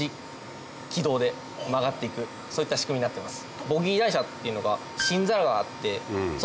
そういった仕組みになってます。